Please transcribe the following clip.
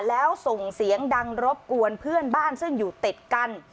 แล้วส่งเสียงดังรบกวนเพื่อนบ้านซึ่งอยู่ติดกัน